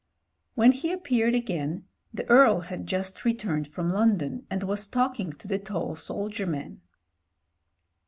When he appeared again the Earl had just returned from London, and was talking to the tall soldier man.